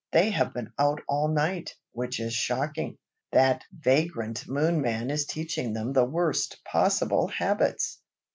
they have been out all night, which is shocking. That vagrant Moonman is teaching them the worst possible habits!"